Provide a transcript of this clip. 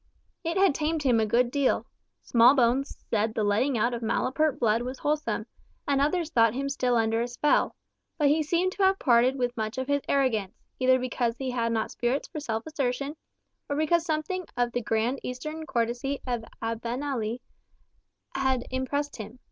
It had tamed him a good deal. Smallbones said the letting out of malapert blood was wholesome, and others thought him still under a spell; but he seemed to have parted with much of his arrogance, either because he had not spirits for self assertion, or because something of the grand eastern courtesy of Abenali had impressed him.